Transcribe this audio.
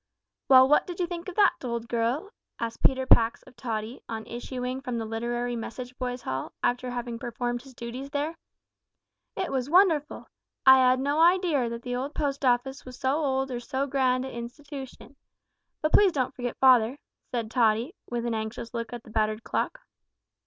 "Well, what did you think of that, old girl?" asked Peter Pax of Tottie, on issuing from the Literary Message Boys' Hall, after having performed his duties there. "It was wonderful. I 'ad no idear that the Post Office was so old or so grand a' institootion But please don't forget father," said Tottie, with an anxious look at the battered clock.